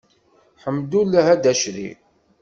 Ḥemdullah a Dda Crif.